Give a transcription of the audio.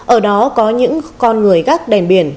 ở đó có những con người gác đèn biển